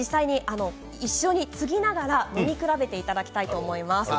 一緒につぎながら飲み比べていただきたいと思います。